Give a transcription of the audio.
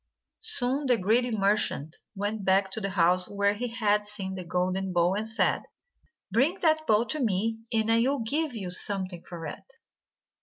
Soon the greedy merchant went back to the house where he had seen the golden bowl, and said: "Bring that bowl to me, and I will give you something for it."